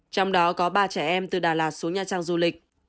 trong đó có ba trẻ em từ đà lạt xuống nha trang du lịch